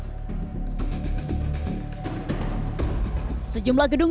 sejumlah gedung tinggi yang terjadi di jakarta